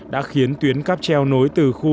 đã khiến tuyến cáp treo nối từ khu